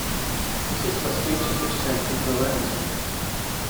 The system has features which turns it to a learning tool.